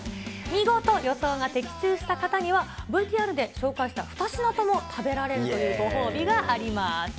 見事予想が的中した方には、ＶＴＲで紹介した２品とも食べられるというご褒美があります。